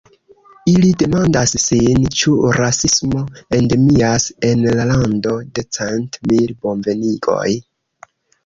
Ili demandas sin, ĉu rasismo endemias en la lando de cent mil bonvenigoj.